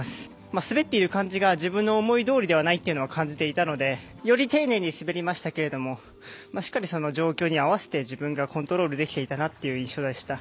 滑っている感じが自分の思いどおりではないとは感じていたのでより丁寧に滑りましたけれどもしっかりその状況に合わせて自分がコントロールできていたなという印象でした。